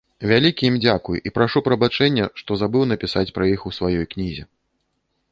Вялікі ім дзякуй, і прашу прабачэння, што забыў напісаць пра іх у сваёй кнізе.